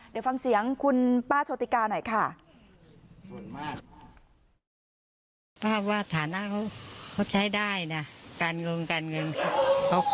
เดี๋ยวฟังเสียงคุณป้าโชติกาหน่อยค่ะ